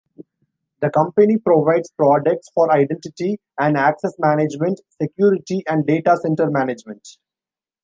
The company provides products for identity and access management, security and data center management.